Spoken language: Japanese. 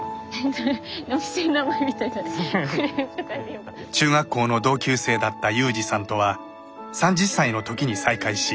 やっぱり中学校の同級生だった裕二さんとは３０歳のときに再会し結婚。